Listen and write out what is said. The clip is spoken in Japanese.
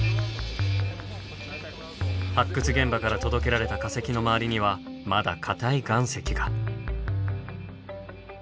発掘現場から届けられた化石の周りにはまだかたい岩石が。